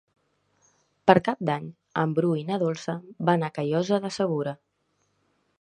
Per Cap d'Any en Bru i na Dolça van a Callosa de Segura.